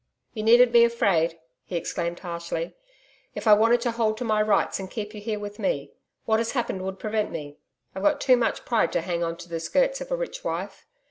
'You needn't be afraid,' he exclaimed harshly. 'If I wanted to hold to my rights, and keep you here with me what has happened would prevent me I've got too much pride to hang on to the skirts of a rich wife.